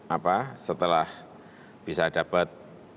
apa setelah bisa dapat lima belas